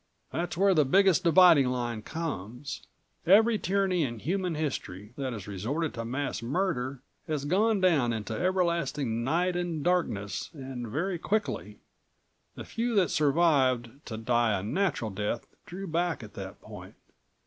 "That's where the biggest dividing line comes. Every tyranny in human history that has resorted to mass murder has gone down into everlasting night and darkness and very quickly. The few that survived to die a natural death drew back at that point.